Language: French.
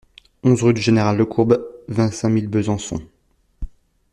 onze rue du Général Lecourbe, vingt-cinq mille Besançon